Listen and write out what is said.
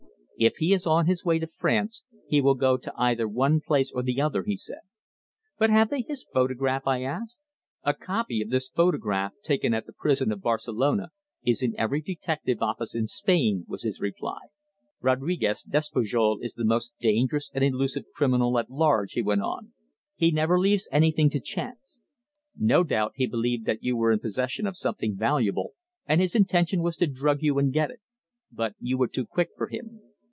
"If he is on his way to France he will go to either one place or the other," he said. "But have they his photograph?" I asked. "A copy of this photograph taken at the prison of Barcelona, is in every detective office in Spain," was his reply. "Rodriquez Despujol is the most dangerous and elusive criminal at large," he went on. "He never leaves anything to chance. No doubt he believed that you were in possession of something valuable, and his intention was to drug you and get it. But you were too quick for him.